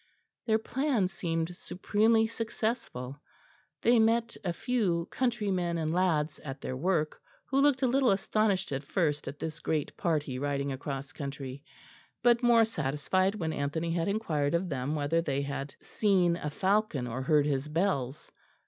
Their plan seemed supremely successful; they met a few countrymen and lads at their work, who looked a little astonished at first at this great party riding across country, but more satisfied when Anthony had inquired of them whether they had seen a falcon or heard his bells.